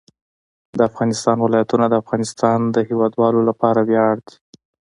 د افغانستان ولايتونه د افغانستان د هیوادوالو لپاره ویاړ دی.